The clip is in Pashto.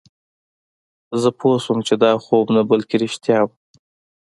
زه پوه شوم چې دا خوب نه بلکې رښتیا وه